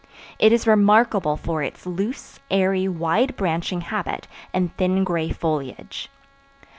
It is remarkable for its loose, airy, wide branching habit and thin gray foliage.